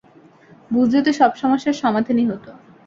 বুঝলে তো সব সমস্যার সমাধানই হত।